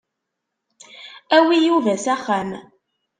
Awi Yuba s axxam.